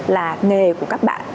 là nghề của các bạn